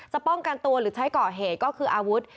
ป้องกันตัวหรือใช้ก่อเหตุก็คืออาวุธ